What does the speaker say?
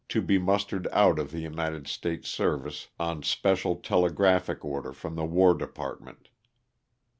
to be mustered out of the United States service on special telegraphic order from the War Department.